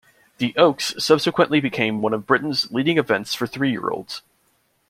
The Oaks subsequently became one of Britain's leading events for three-year-olds.